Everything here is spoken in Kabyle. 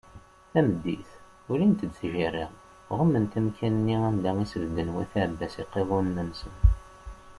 Tameddit, ulint-d tjirra, ɣumment amkan-nni anda i sbedden wat Ɛebbas iqiḍunen-nsen.